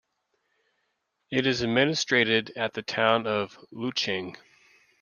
It is administrated at the town of Lucheng.